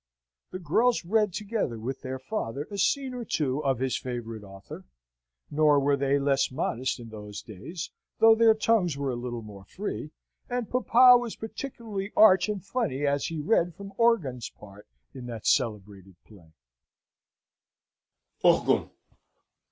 The girls read together with their father a scene or two of his favourite author (nor were they less modest in those days, though their tongues were a little more free), and papa was particularly arch and funny as he read from Orgon's part in that celebrated play: "ORGON.